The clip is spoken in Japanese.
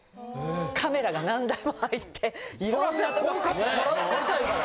カメラが何台も入っていろんな所から。